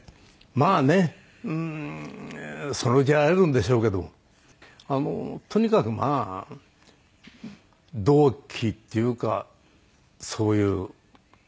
まあねうーんそのうち会えるんでしょうけどとにかくまあ同期っていうかそういう。